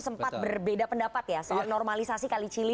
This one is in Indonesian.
sempat berbeda pendapat ya normalisasi